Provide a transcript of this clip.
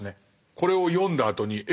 これを読んだあとにえ